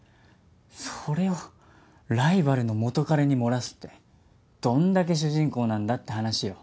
それをライバルの元カレに漏らすってどんだけ主人公なんだって話よ。